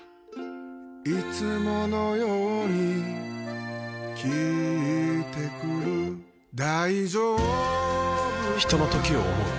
いつものように聞いてくる大丈夫か嗚呼ひとのときを、想う。